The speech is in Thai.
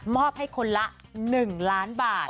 อบให้คนละ๑ล้านบาท